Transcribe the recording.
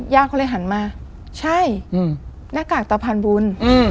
ย่าเขาเลยหันมาใช่หน้ากากตาพรรณบุญ